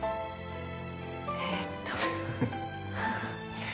えっと。